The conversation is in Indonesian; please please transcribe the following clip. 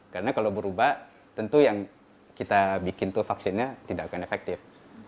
karena kalau berubah tentu yang kita bikin itu vaksinnya tidak akan efektif